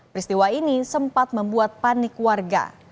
peristiwa ini sempat membuat panik warga